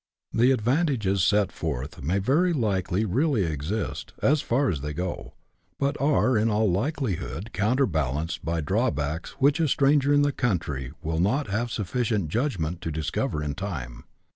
The advantages set forth may very likely really exist, as far as they go, but are in all likelihood coun CHAP. XIV.] HINTS TO CAPITALISTS. 159 terbalanced by drawbacks which a stranger in the country will not have sufficient judgment to discover in time.